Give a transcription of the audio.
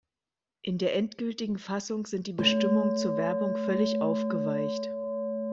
In der endgültigen Fassung sind die Bestimmungen zur Werbung völlig aufgeweicht.